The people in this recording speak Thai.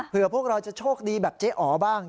เพื่อพวกเราจะโชคดีแบบเจ๊อ๋อบ้าง